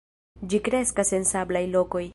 Ĝi kreskas en sablaj lokoj.